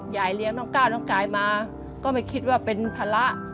ยายเลี้ยงน้องก้าวน้องกายมาก็ไม่คิดว่าเป็นภาระ